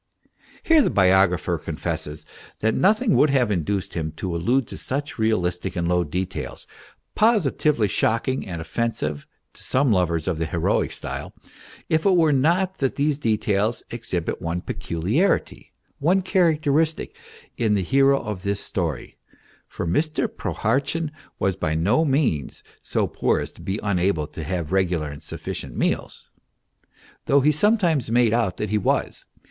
... Here the biographer confesses that nothing would have in duced him to allude to such realistic and low details, positively shocking and offensive to some lovers of the heroic style, if it were not that these details exhibit one peculiarity, one character istic, in the hero of this story ; for Mr. Prohartchin was by no means so poor as to be unable to have regular and sufficient meals, though he sometimes made out that he was.